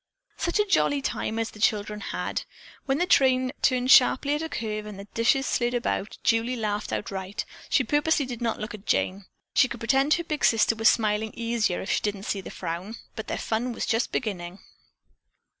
Such a jolly time as the children had! When the train turned sharply at a curve and the dishes slid about, Julie laughed outright. She purposely did not look at Jane. She could pretend her big sister was smiling easier, if she didn't see the frown. But their fun was just beginning.